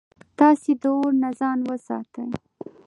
تاسي د اور نه ځان وساتئ